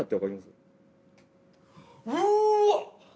うーわっ！